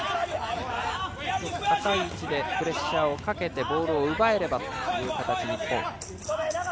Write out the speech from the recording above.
高い位置でプレッシャーをかけてボールを奪えればという形の日本。